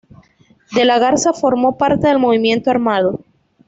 De la Garza formó parte del movimiento armado.